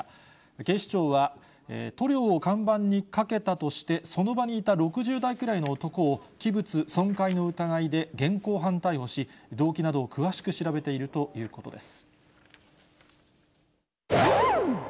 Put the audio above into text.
警視庁は、塗料を看板にかけたとして、その場にいた６０代くらいの男を、器物損壊の疑いで現行犯逮捕し、動機などを詳しく調べているということです。